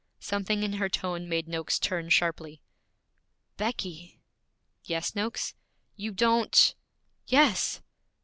Something in her tone made Noakes turn sharply. 'Becky!' 'Yes, Noakes?' 'You don't ' 'Yes!'